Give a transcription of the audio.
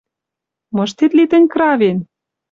Мыштет ли тӹнь кравен?